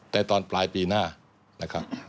ตอนปลายปีหน้านะครับ